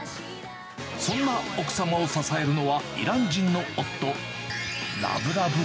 そんな奥様を支えるのは、イラン人の夫。